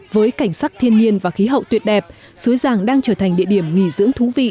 với cảnh sắc thiên nhiên và khí hậu tuyệt đẹp suối giang đang trở thành địa điểm nghỉ dưỡng thú vị